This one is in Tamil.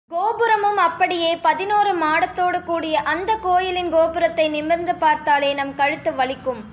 கோபுரமும் அப்படியே, பதினோரு மாடத்தோடு கூடிய அந்தக் கோயிலின் கோபுரத்தை நிமிர்ந்து பார்த்தாலே நம் கழுத்து வலிக்கும்.